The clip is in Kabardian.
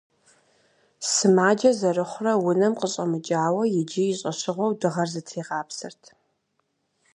Сымаджэ зэрыхъурэ унэм къыщӏэмыкӏауэ, иджы и щӏэщыгъуэу дыгъэр зытригъапсэрт.